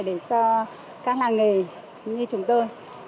để cho các làng nghề như chúng tôi